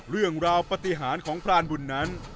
เรื่องราวปฏิหารของพรานบุญนั้น